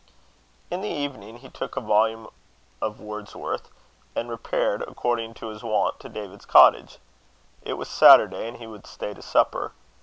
In the evening, he took a volume of Wordsworth, and repaired, according to his wont, to David's cottage. It was Saturday, and he would stay to supper.